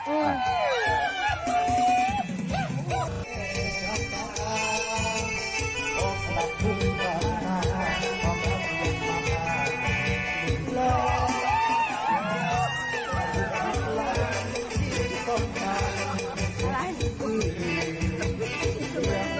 อืม